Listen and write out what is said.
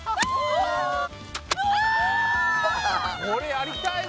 これやりたいな。